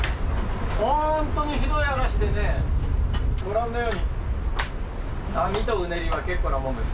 本当にひどい嵐でね、ご覧のように、波とうねりは結構なもんです。